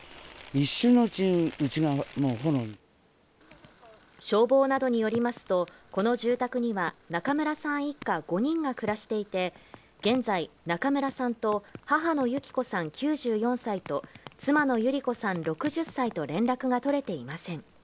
一瞬のうちに、消防などによりますと、この住宅には中村さん一家５人が暮らしていて、現在、中村さんと母の幸子さん９４歳と妻の由利子さん６０歳と連絡が取れていません。